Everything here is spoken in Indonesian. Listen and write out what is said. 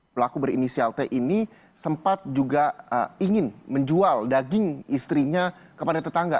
pelaku berinisial t ini sempat juga ingin menjual daging istrinya kepada tetangga